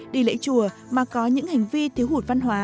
đi lễ chùa mà có những hành vi thiếu hữu